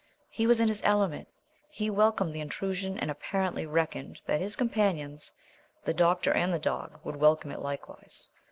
He was in his element. He welcomed the intrusion, and apparently reckoned that his companions, the doctor and the dog, would welcome it likewise.